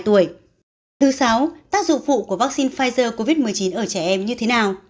sáu tác dụng phụ của vắc xin pfizer covid một mươi chín ở trẻ em như thế nào